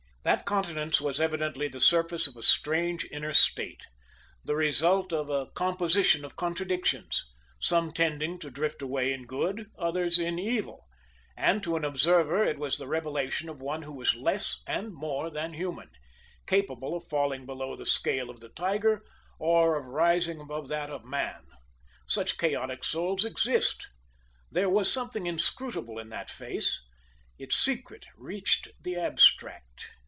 That countenance was evidently the surface of a strange inner state, the result of a composition of contradictions, some tending to drift away in good, others in evil, and to an observer it was the revelation of one who was less and more than human capable of falling below the scale of the tiger, or of rising above that of man. Such chaotic souls exist. There was something inscrutable in that face. Its secret reached the abstract.